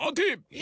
え？